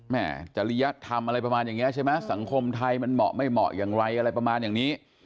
จริยธรรมอะไรประมาณอย่างนี้ใช่ไหมสังคมไทยมันเหมาะไม่เหมาะอย่างไรอะไรประมาณอย่างนี้